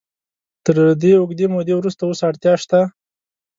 تر دې اوږدې مودې وروسته اوس اړتیا شته.